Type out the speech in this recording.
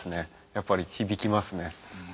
やっぱり響きますね。